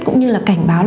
cũng như là cảnh báo